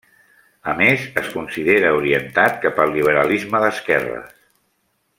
A més, es considera orientat cap al liberalisme d'esquerres.